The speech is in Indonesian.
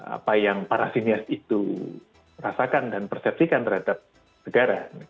apa yang para sinias itu rasakan dan persepsikan terhadap negara